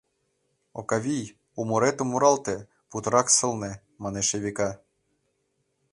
— Окавий, у муретым муралте, путырак сылне, — манеш Эвика.